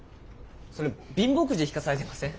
それ貧乏くじ引かされてません？